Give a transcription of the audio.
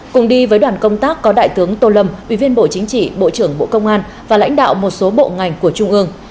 cùng đi với đoàn công tác có đại tướng tô lâm ủy viên bộ chính trị bộ trưởng bộ công an và lãnh đạo một số bộ ngành của trung ương